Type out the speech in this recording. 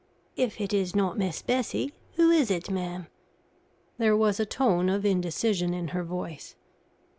"If it is not Miss Bessie, who is it, ma'am?" There was a tone of indecision in her voice.